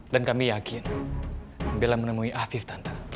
dan kami yakin bella menemui afif tante